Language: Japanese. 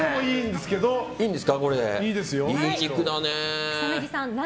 いいんですか？